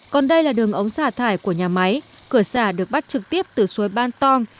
còn đây là đường ống xả thải của nhà máy cửa xả được bắt trực tiếp từ suối ban tong